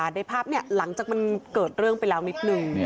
ในภาพหลังจากมันเกิดเรื่องไปแล้วนิดนึง